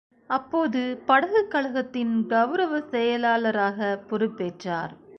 அப்போது படகுக் கழகத்தின் கௌரவச் செயலாளராகப் பொறுப்பேற்றார்.